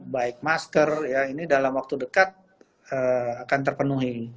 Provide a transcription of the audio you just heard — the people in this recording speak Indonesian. baik masker ya ini dalam waktu dekat akan terpenuhi